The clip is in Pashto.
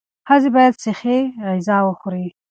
ښځې باید صحي غذا وخوري.